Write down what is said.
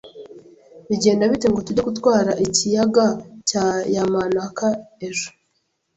Bigenda bite ngo tujye gutwara ikiyaga cya Yamanaka ejo?